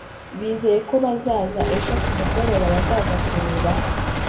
bizeye ko bazaza ejo kumugoroba bazaza kureba